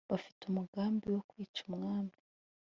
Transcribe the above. bafite umugambi wo kwica umwami